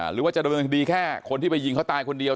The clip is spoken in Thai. หรือว่าจะดำเนินคดีแค่คนที่ไปยิงเขาตายคนเดียว